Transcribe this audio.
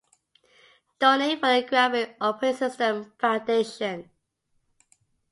Donate for the Graphene Operating System Foundation.